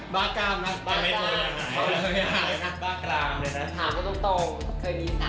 บ้าก้ามนะบ้าเม้โฑยุ้ยไหน